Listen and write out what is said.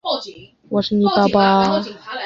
永历二年。